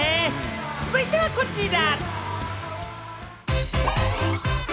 続いてはこちら。